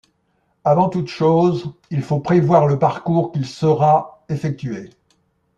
Avant toute chose, il faut prévoir le parcours qui sera effectué.